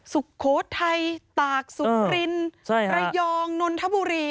สุโขทัยตากสุรินระยองนนทบุรี